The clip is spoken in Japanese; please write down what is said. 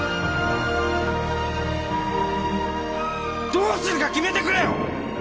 どうするか決めてくれよ！